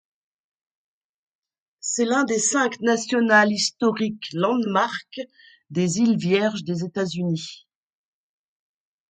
C'est l'un des cinq National Historic Landmark des îles Vierges des États-Unis.